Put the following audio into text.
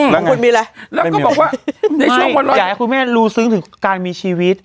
หลังคุณมีนะแล้วก็บอกว่าอยากให้คุณแม่โลดรู้ซึ้งถึงการมีชีวิต